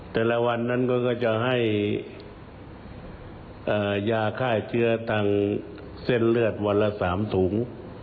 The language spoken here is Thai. แต่ละวันนั้นก็จะให้ยาฆ่าเชื้อทางเส้นเลือดวันละ๓ถุง